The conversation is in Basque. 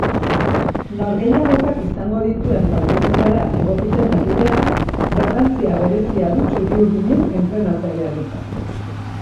Norgehiagokak izango dituen baldintzetara egokitzen jakiteak garrantzia berezia du txuri-urdinen entrenatzailearentzat.